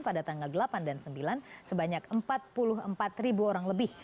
pada tanggal delapan dan sembilan sebanyak empat puluh empat ribu orang lebih